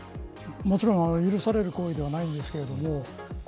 もちろん、許される行為ではないんですけれども。